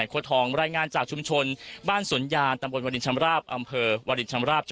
ขอบคุณคุณทัศนายด้วยนะคะก็อยู่ยาวเลยล่ะ